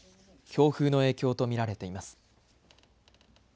強風の影響と見られています。